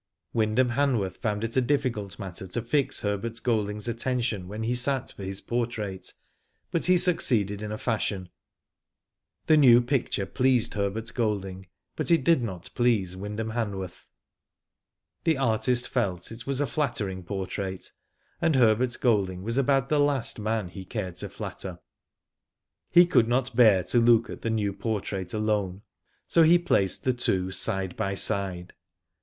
Wyndham Hanworth found it a difficult matter to fix Herbert Golding's attention when he sat for his portrait, but he succeeded in a fashion. Digitized byGoogk SIGNS OF THE TIMES. 209 The new picture pleased Herbert Golding, but it did not please Wyndham Hanworth. The artist felt it w^s a flattering portrait, and Herbert Golding was about the last man he cared to flatter. He could not bear to look at the new portrait alone, so he placed the two side by side.